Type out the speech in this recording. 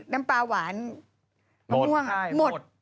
น้ำปลาหวานมะม่วงหมด